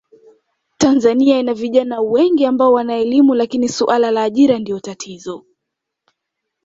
Tanzania ina vijana wengi ambao wanaelimu lakini Suala la ajira Ndio tatizo